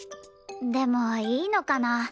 でもいいのかな？